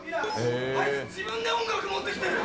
あいつ自分で音楽持ってきてる！